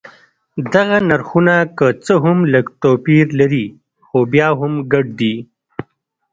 دغه نرخونه که څه هم لږ توپیر لري خو بیا هم ګډ دي.